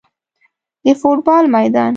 د فوټبال میدان